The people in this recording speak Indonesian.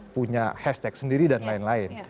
punya hashtag sendiri dan lain lain